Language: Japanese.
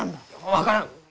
分からん。